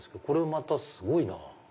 これまたすごいな。